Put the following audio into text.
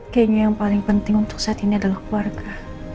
kayaknya yang paling penting untuk saat ini adalah keluarga